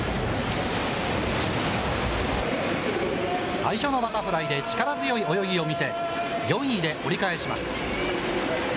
最初のバタフライで力強い泳ぎを見せ、４位で折り返します。